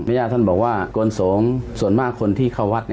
ญาติท่านบอกว่ากลสงฆ์ส่วนมากคนที่เข้าวัด